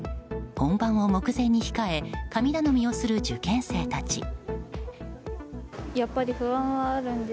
本番を目前に控え神頼みをする受験生たち。